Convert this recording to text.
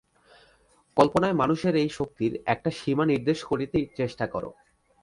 কল্পনায় মানুষের এই শক্তির একটা সীমা নির্দেশ করিতে চেষ্টা কর।